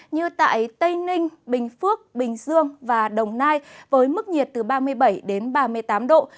như tại tây ninh bình phước bình dương và đồng nai với mức nhiệt từ ba mươi bảy đến ba mươi tám độ